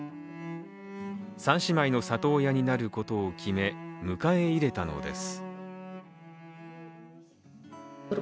３姉妹の里親になることを決め、迎え入れたのです。